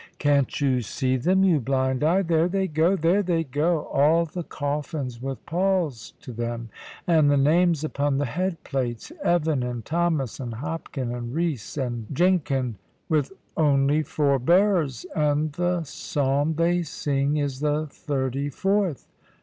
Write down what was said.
"Can't you see them, you blind eye? There they go! there they go! All the coffins with palls to them. And the names upon the head plates: Evan, and Thomas, and Hopkin, and Rees, and Jenkin, with only four bearers! And the psalm they sing is the thirty fourth."